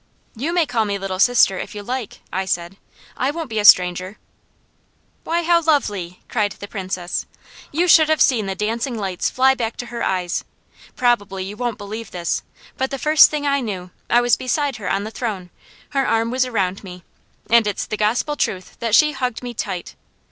"You may call me Little Sister, if you like," I said. "I won't be a stranger." "Why how lovely!" cried the Princess. You should have seen the dancing lights fly back to her eyes. Probably you won't believe this, but the first thing I knew I was beside her on the throne, her arm was around me, and it's the gospel truth that she hugged me tight.